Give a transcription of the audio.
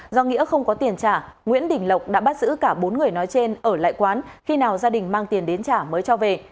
do nghĩa không có tiền trả nguyễn đình lộc đã bắt giữ cả bốn người nói trên ở lại quán khi nào gia đình mang tiền đến trả mới cho về